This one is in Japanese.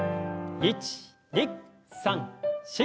１２３４。